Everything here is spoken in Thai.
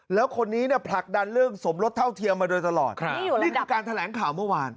แล้วคนนี้เนี่ยผลักดันเรื่องสมรสเท่าเทียมมาโดยตลอดนี่คือการแถลงข่าวเมื่อวาน